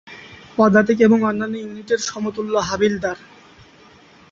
পদাতিক এবং অন্যান্য ইউনিটের সমতুল্য হাবিলদার।